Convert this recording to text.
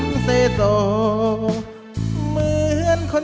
ไม่ใช้ครับไม่ใช้ครับ